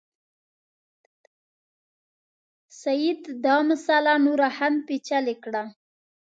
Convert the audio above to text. سید دا مسله نوره هم پېچلې کړه.